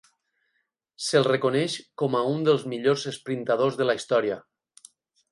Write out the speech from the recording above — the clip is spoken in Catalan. Se'l reconeix com a un dels millors esprintadors de la història.